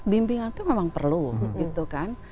bimbingan itu memang perlu gitu kan